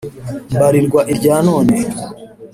mbarirwa irya none